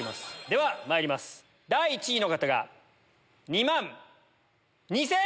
ではまいります第１位の方が２万２千。